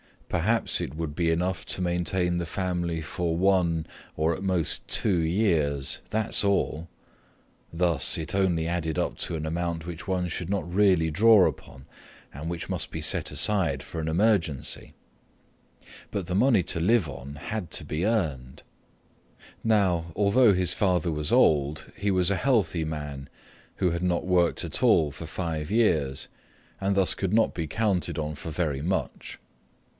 Perhaps it would be enough to maintain the family for one or at most two years, that's all. Thus, it only added up to an amount which one should not really draw upon and which must be set aside for an emergency. But the money to live on had to be earned. Now, although his father was old, he was a healthy man who had not worked at all for five years and thus could not be counted on for very much.